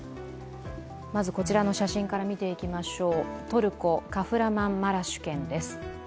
まずこちらの写真から見ていきましょう、トルコ・カフラマンマラシュ県です